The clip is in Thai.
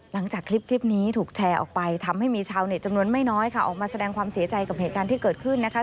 หลังจากคลิปนี้ถูกแชร์ออกไปทำให้มีชาวเน็ตจำนวนไม่น้อยค่ะออกมาแสดงความเสียใจกับเหตุการณ์ที่เกิดขึ้นนะคะ